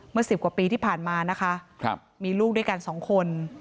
สิบกว่าปีที่ผ่านมานะคะมีลูกด้วยกันสองคน